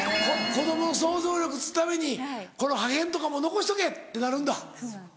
子供の創造力つくために「この破片とかも残しとけ」ってなるんだ。